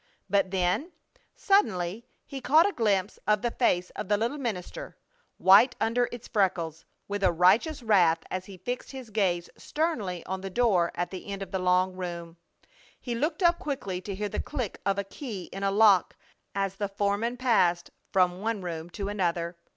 But then, suddenly, he caught a glimpse of the face of the little minister, white under its freckles, with a righteous wrath as he fixed his gaze sternly on the door at the end of the long room. He looked up quickly to hear the click of a key in a lock as the foreman passed from one room to another.